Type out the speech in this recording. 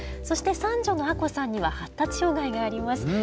そして三女の亜子さんには発達障害があります。